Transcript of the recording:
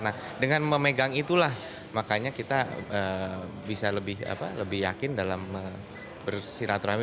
nah dengan memegang itulah makanya kita bisa lebih yakin dalam bersiraturahmi